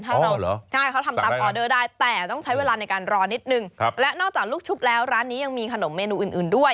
ถ้าเราเหรอใช่เขาทำตามออเดอร์ได้แต่ต้องใช้เวลาในการรอนิดนึงและนอกจากลูกชุบแล้วร้านนี้ยังมีขนมเมนูอื่นด้วย